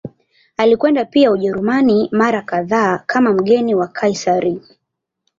Alikwenda pia Ujerumani mara kadhaa kama mgeni wa Kaisari.